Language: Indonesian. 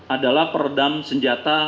adalah peredam senjata